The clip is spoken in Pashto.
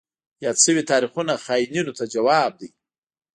یاد شوي تاریخونه خاینینو ته ځواب دی.